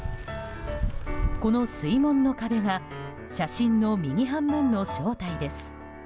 この水門の壁が写真の右半分の正体です。